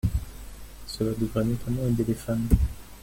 Cela devrait notamment aider les femmes.